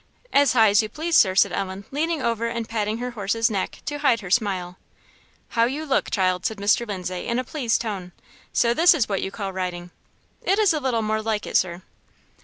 "As high as you please, Sir," said Ellen, leaning over and patting her horse's neck to hide her smile. "How you look, child!" said Mr. Lindsay, in a pleased tone. "So this is what you call riding?" "It is a little more like it, Sir."